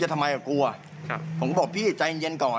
ผมก็บอกพี่ใจเย็นก่อน